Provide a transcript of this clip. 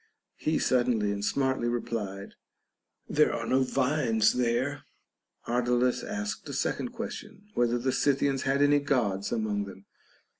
He suddenly and smartly replied, There are no vines there. Ardalus asked a second question, whether the Scythians had any Gods among them.